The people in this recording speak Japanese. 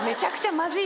まずい？